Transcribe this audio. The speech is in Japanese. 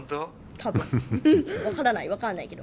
多分分からない分かんないけど。